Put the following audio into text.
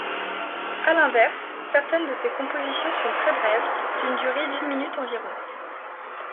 À l’inverse, certaines de ses compositions sont très brèves, d’une durée d’une minute environ.